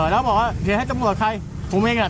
แล้วบอกว่า